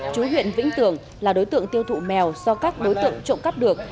chú huyện vĩnh tường là đối tượng tiêu thụ mèo do các đối tượng trộm cắp được